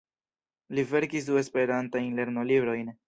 Li verkis du Esperantajn lernolibrojn.